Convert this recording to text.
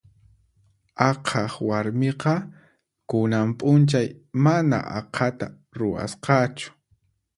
Aqhaq warmiqa kunan p'unchay mana aqhata ruwasqachu.